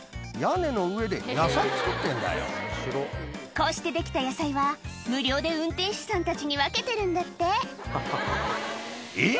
こうしてできた野菜は無料で運転手さんたちに分けてるんだってえっ？